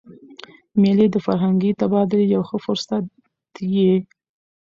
مېلې د فرهنګي تبادلې یو ښه فرصت يي.